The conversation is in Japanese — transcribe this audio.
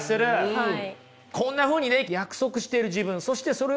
はい。